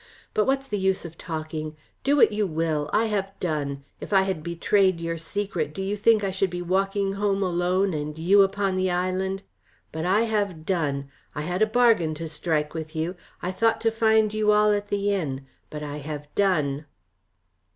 But what's the use of talking. Do what you will, I have done. If I had betrayed your secret, do you think I should be walking home alone, and you upon the island? But I have done. I had a bargain to strike with you, I thought to find you all at the inn but I have done."